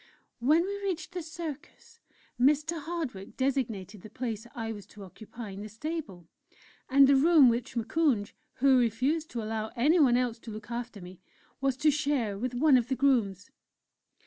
When we reached the Circus, Mr. Hardwick designated the place I was to occupy in the Stable, and the room which Moukounj (who refused to allow anyone else to look after me) was to share with one of the grooms.